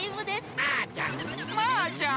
マーちゃん。